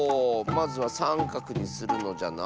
まずはさんかくにするのじゃな。